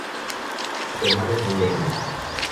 Su llamada es muy aguda.